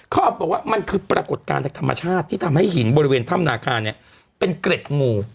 เขาบอกว่ามันคือปรากฏการณ์จากธรรมชาติที่ทำให้หินบริเวณถ้ำนาคาเนี่ยเป็นเกร็ดงู